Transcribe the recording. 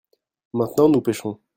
maintenant nous pêchons.